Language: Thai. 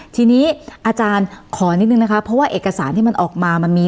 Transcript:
ทีนี้อาจารย์ขอนิดนึงนะคะเพราะว่าเอกสารที่มันออกมามันมี